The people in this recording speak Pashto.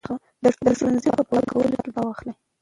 د ښوونځي په پاکوالي کې برخه واخلئ.